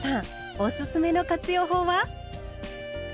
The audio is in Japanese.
おすすめの活用法は？